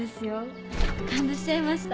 感動しちゃいました。